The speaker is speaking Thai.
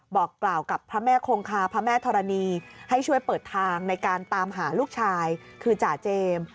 บอกกล่าวกับพระแม่คงคาพระแม่ธรณีให้ช่วยเปิดทางในการตามหาลูกชายคือจ่าเจมส์